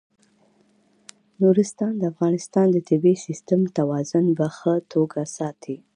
نورستان د افغانستان د طبعي سیسټم توازن په ښه توګه ساتي.